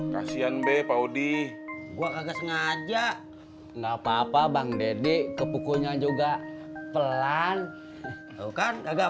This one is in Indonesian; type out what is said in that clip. kasihan b paudi gua kagak sengaja enggak papa bang dede ke pukulnya juga pelan bukan agak